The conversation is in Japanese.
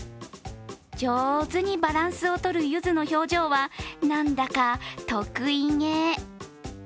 上手にバランスをとるユズの表情は、なんだか得意げ。